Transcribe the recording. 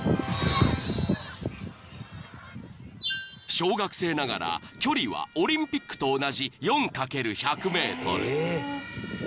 ［小学生ながら距離はオリンピックと同じ］